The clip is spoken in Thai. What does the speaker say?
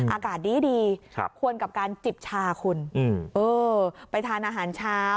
อากาศดีควรกับการจิบชาคุณเออไปทานอาหารเช้า